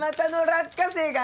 落花生か